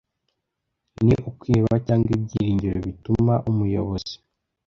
ni ukwiheba cyangwa ibyiringiro bituma umuyobozi